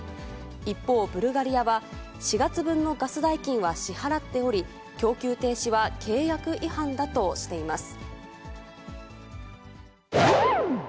一方、ブルガリアは、４月分のガス代金は支払っており、供給停止は契約違反だとしています。